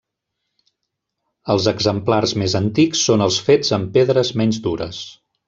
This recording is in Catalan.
Els exemplars més antics són els fets amb pedres menys dures.